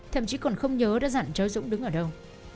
thậm chí còn không nhớ đã dặn chói dũng đứng ở đâu